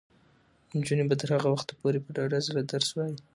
نجونې به تر هغه وخته پورې په ډاډه زړه درس وايي.